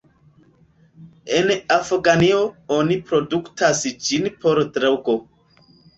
En Afganio oni produktas ĝin por drogo.